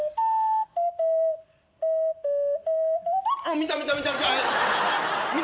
見た見た見た見た。